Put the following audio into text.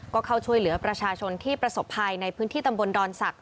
ก็เข้าช่วยเหลือประชาชนที่ประสบภัยในพื้นที่ตำบลดอนศักดิ